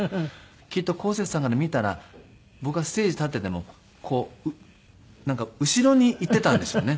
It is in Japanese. きっとこうせつさんから見たら僕がステージ立っていてもこうなんか後ろに行っていたんでしょうね